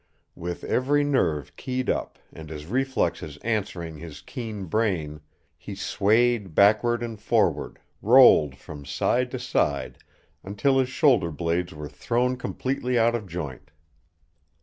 With every nerve keyed up and his reflexes answering his keen brain, he swayed backward and forward, rolled from side to side until his shoulder blades were thrown completely out of joint.